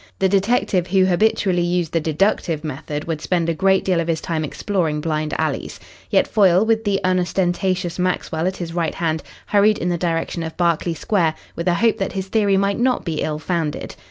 The detective who habitually used the deductive method would spend a great deal of his time exploring blind alleys. Yet Foyle, with the unostentatious Maxwell at his right hand, hurried in the direction of Berkeley Square with a hope that his theory might not be ill founded.